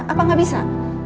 atau gak bisa